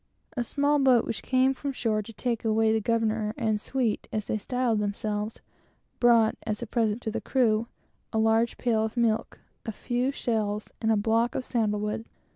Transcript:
A small boat which came from the shore to take away the governor and suite as they styled themselves brought, as a present to the crew, a large pail of milk, a few shells, and a block of sandal wood.